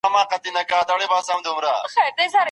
زمرد په شګو کي نه موندل کېږي.